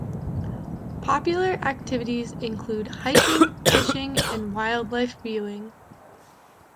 Popular activities include hiking, fishing, and wildlife viewing.